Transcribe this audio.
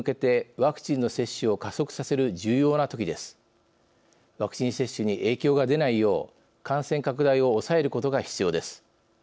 ワクチン接種に影響が出ないよう感染拡大を抑えることが必要です。